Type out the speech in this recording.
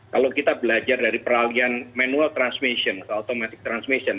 kalau kita belajar dari peralihan manual transmission atau automatic transmission